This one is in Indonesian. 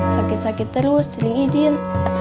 sakit sakit terus sering izin